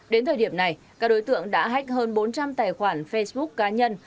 đến thời điểm này các đối tượng đã hách hơn bốn trăm linh tài khoản facebook cá nhân